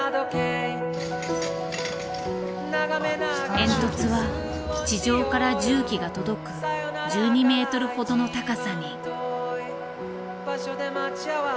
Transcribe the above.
煙突は地上から重機が届く１２ｍほどの高さに。